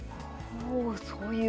おお、そういう。